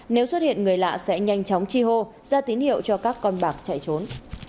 nếu xuất hiện người lạ sẽ nhanh chóng chi hô ra tín hiệu cho các con bạc chạy trốn